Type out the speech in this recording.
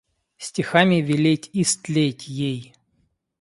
Стихами велеть истлеть ей!